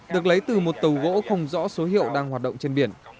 được lấy từ một tàu gỗ không rõ số hiệu đang hoạt động trên biển